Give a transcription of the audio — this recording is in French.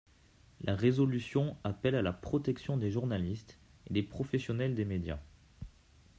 La résolution appelle à la protection des journalistes et des professionnels des médias.